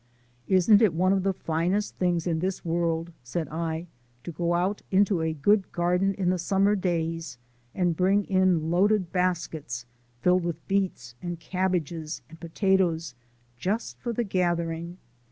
"Isn't it one of the finest things in this world," said I, "to go out into a good garden in the summer days and bring in loaded baskets filled with beets and cabbages and potatoes, just for the gathering?"